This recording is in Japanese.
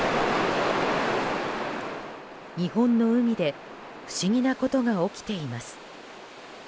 日本の海で不思議なことが起きています。